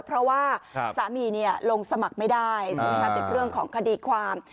เพราะว่าสามีนี่ลงสมัครไม่ได้สมมติเรื่องของคดีความ